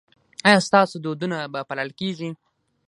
ایا ستاسو دودونه به پالل کیږي؟